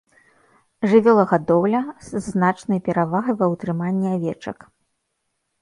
Жывёлагадоўля з значнай перавагай ва ўтрыманні авечак.